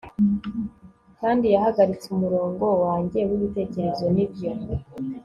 kandi yahagaritse umurongo wanjye wibitekerezo. nibyo